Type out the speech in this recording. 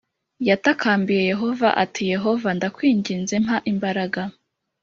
Yatakambiye Yehova ati Yehova ndakwinginze mpa imbaraga